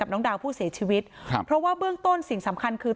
น้องดาวผู้เสียชีวิตครับเพราะว่าเบื้องต้นสิ่งสำคัญคือ